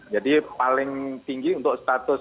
dari sepaling tinggi untuk status